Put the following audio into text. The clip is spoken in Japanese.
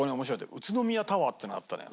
宇都宮タワーっていうのがあったのよ。